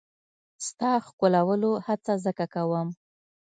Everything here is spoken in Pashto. ستا ښکلولو هڅه ځکه کوم.